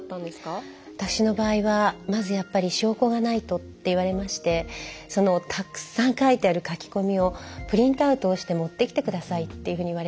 私の場合はまずやっぱり証拠がないとって言われましてそのたくさん書いてある書き込みをプリントアウトをして持ってきて下さいっていうふうに言われるんですね。